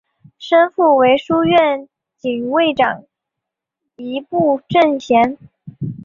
生父为书院警卫长迹部正贤。